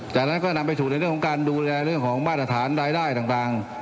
จากนั้นก็นำไปสู่ในเรื่องของการดูแลเรื่องของมาตรฐานรายได้ต่าง